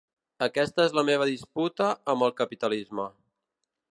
Aquesta és la meva disputa amb el capitalisme.